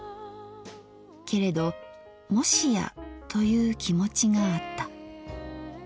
けれどという気持ちがあった。